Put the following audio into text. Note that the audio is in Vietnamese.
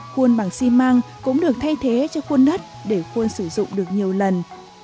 khuôn bằng xi măng cũng được thay thế cho khuôn đất để khuôn sử dụng được nhiều lần